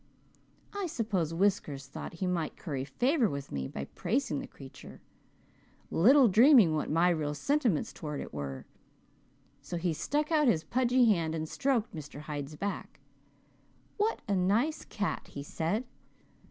I suppose Whiskers thought he might curry favour with me by praising the creature, little dreaming what my real sentiments towards it were, so he stuck out his pudgy hand and stroked Mr. Hyde's back. 'What a nice cat,' he said.